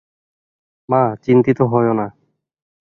মা, চিন্তিত হয়ো না।